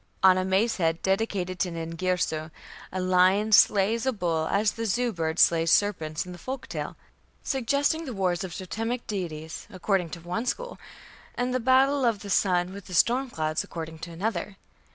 On a mace head dedicated to Nin Girsu, a lion slays a bull as the Zu bird slays serpents in the folk tale, suggesting the wars of totemic deities, according to one "school", and the battle of the sun with the storm clouds according to another.